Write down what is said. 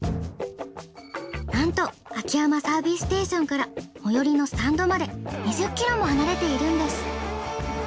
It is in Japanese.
なんと秋山サービスステーションから最寄りのスタンドまで２０ｋｍも離れているんです。